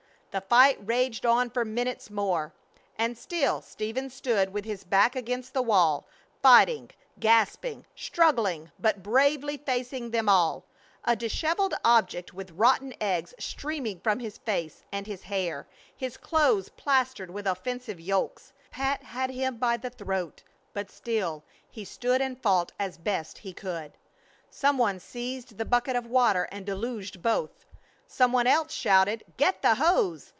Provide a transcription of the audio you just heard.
The fight raged on for minutes more, and still Stephen stood with his back against the wall, fighting, gasping, struggling, but bravely facing them all; a disheveled object with rotten eggs streaming from his face and hair, his clothes plastered with offensive yolks. Pat had him by the throat, but still he stood and fought as best he could. Some one seized the bucket of water and deluged both. Some one else shouted, "Get the hose!"